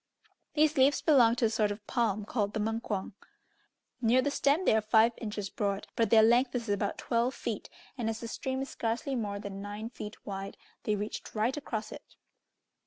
These leaves belonged to a sort of palm called the Mungkuang. Near the stem they are five inches broad, but their length is about twelve feet, and as the stream is scarcely more than nine feet wide, they reached right across it.